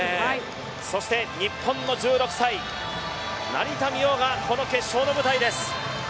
そして日本の１６歳成田実生がこの決勝の舞台です。